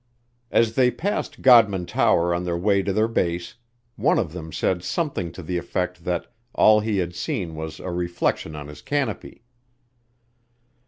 As they passed Godman Tower on their way to their base, one of them said something to the effect that all he had seen was a reflection on his canopy.